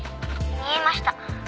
見えました」